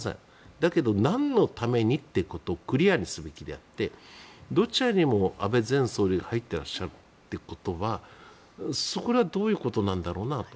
だけど、なんのためにってことをクリアにすべきであってどちらにも安倍前総理が入っていらっしゃるということはそれはどういうことなんだろうかなと。